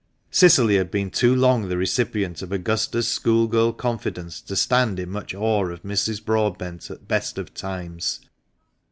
Cicily had been too long the recipient of Augusta's school girl confidence to stand in much awe of Mrs. Broadbent at best of times.